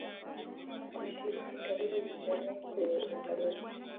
kushiriki katika mitandao kwenye intaneti.